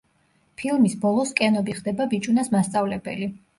ფილმის ბოლოს კენობი ხდება ბიჭუნას მასწავლებელი.